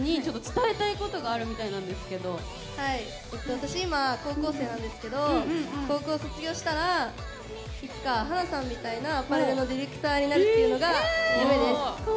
私今高校生なんですけど高校を卒業したらいつか華さんみたいなアパレルのディレクターになるというのが夢です。